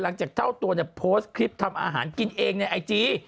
หลังจากเจ้าตัวเนี่ยโพสต์คลิปทำอาหารกินเองในไอจี